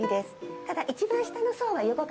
ただ。